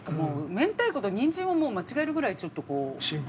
明太子とニンジンを間違えるぐらいちょっとこう。